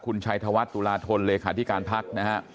คุณชัยธวัฒน์ตุลาธนเลขาธิการพักนะฮะ